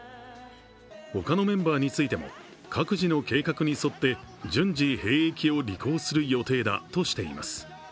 他のメンバーについても、各自の計画に沿って順次、兵役を履行する予定だとしています。